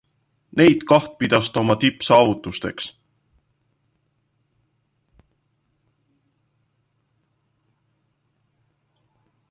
Neid kaht pidas ta oma tippsaavutusteks.